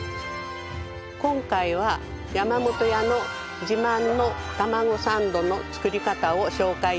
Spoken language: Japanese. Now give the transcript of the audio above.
今回はヤマモトヤの自慢の玉子サンドの作り方を紹介致します。